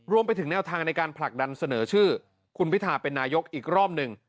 รวมไปถึงแนวทางในการผลักดันเสนอชื่อคุณพิทาเป็นนายกอีกรอบหนึ่ง